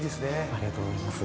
ありがとうございます。